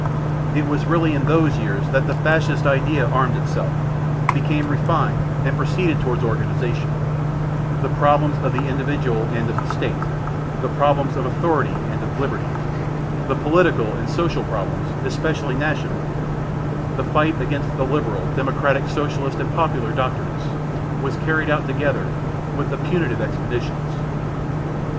It was really in those years that the Fascist idea armed itself, became refined and proceeded towards organisation: the problems of the individual and of the State, the problems of authority and of liberty, the political and social problems, especially national; the fight against the liberal, democratic, socialistic and popular doctrines, was carried out together with the "punitive expeditions."